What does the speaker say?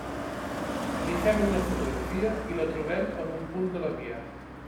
Li fem una fotografia i la trobem en un punt de la via.